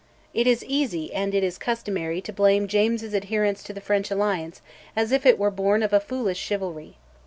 It is easy, and it is customary, to blame James's adherence to the French alliance as if it were born of a foolish chivalry.